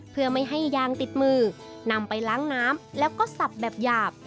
เพื่อไม่ให้ยางติดมือนำไปล้างน้ำแล้วก็สับแบบหยาบ